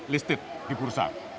listed di bursa